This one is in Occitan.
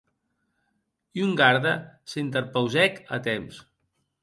Un garda se interpausèc a temps.